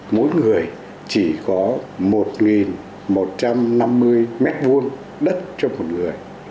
mỗi người chỉ có một một trăm năm mươi mét vuông đất cho một người